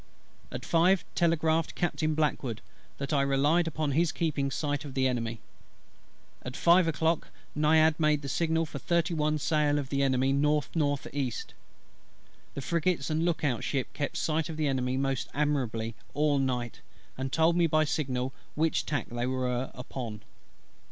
At five telegraphed Captain BLACKWOOD, that I relied upon his keeping sight of the Enemy. At five o'clock Naiad made the signal for thirty one sail of the Enemy N.N.E. The frigates and look out ship kept sight of the Enemy most admirably all night, and told me by signal which tack they were upon.